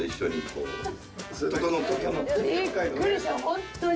本当に。